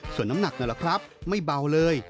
ส่วนน้ำหนักนั่นแหละครับไม่เบาเลย